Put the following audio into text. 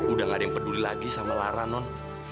udah gak ada yang peduli lagi sama lara non